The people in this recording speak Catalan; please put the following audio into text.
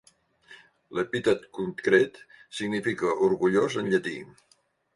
L'epítet concret significa "orgullós" en llatí.